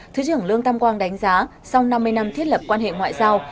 thứ trưởng lương tam quang đánh giá sau năm mươi năm thiết lập quan hệ ngoại giao